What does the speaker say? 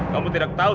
kamu tidak tahu